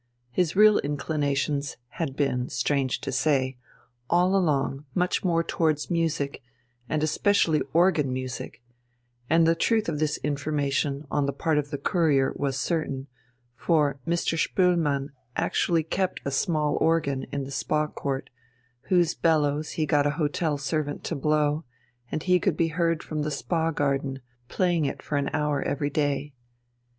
His real inclinations had been, strange to say, all along much more towards music and especially organ music and the truth of this information on the part of the Courier was certain, for Mr. Spoelmann actually kept a small organ in the "Spa Court," whose bellows he got a hotel servant to blow, and he could be heard from the Spa Garden playing it for an hour every day.